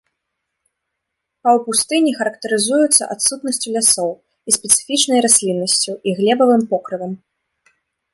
Паўпустыні характарызуюцца адсутнасцю лясоў і спецыфічнай расліннасцю і глебавым покрывам.